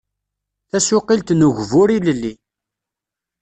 Tasuqilt n ugbur ilelli.